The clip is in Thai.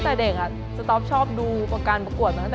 พลอยเชื่อว่าเราก็จะสามารถชนะเพื่อนที่เป็นผู้เข้าประกวดได้เหมือนกัน